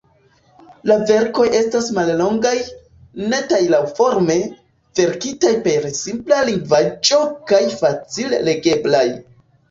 La verkoj estas mallongaj, netaj laŭforme, verkitaj per simpla lingvaĵo kaj facile legeblaj.